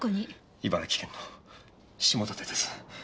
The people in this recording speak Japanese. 茨城県の下館です。